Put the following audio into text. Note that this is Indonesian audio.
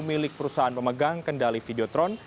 milik perusahaan pemegang kendali videotron